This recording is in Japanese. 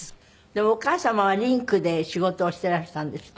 でもお母様はリンクで仕事をしていらしたんですって？